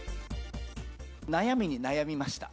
悩みに悩みました。